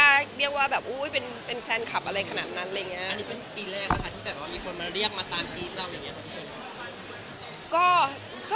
อันนี้เป็นปีแรกจริงไหมว่ามีคนมาเรียกมาตามติดเราอย่างนี้